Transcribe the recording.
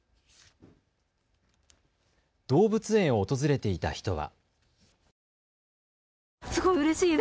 動物園を訪れていた人は。